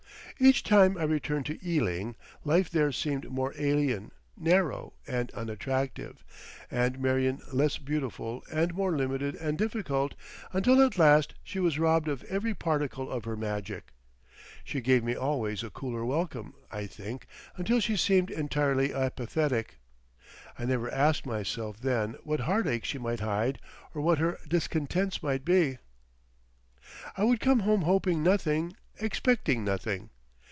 Each time I returned to Ealing, life there seemed more alien, narrow, and unattractive—and Marion less beautiful and more limited and difficult—until at last she was robbed of every particle of her magic. She gave me always a cooler welcome, I think, until she seemed entirely apathetic. I never asked myself then what heartaches she might hide or what her discontents might be. I would come home hoping nothing, expecting nothing.